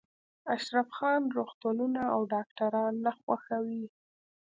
اشرف خان روغتونونه او ډاکټران نه خوښوي